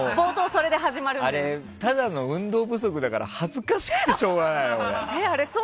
あれ、ただの運動不足だから恥ずかしくてしょうがない。